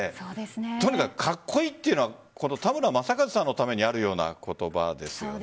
とにかく格好いいというのは田村正和さんのためにあるような言葉ですよね。